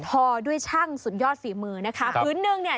อด้วยช่างสุดยอดฝีมือนะคะพื้นนึงเนี่ย